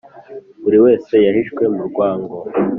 buri wese yashizwe mu rwango;